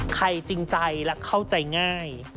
จริงใจและเข้าใจง่าย